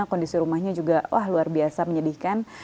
kondisi rumahnya juga wah luar biasa menyedihkan